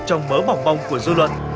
trong mớ bỏng bong của dư luận